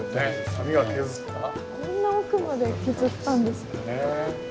こんな奥まで削ったんですか。